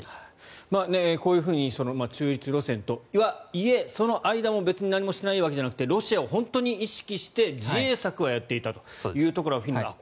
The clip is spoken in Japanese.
こういうふうに中立路線とはいえその間も別に何もしていないわけではなくてロシアを本当に意識して自衛策はやっていたというフィンランド。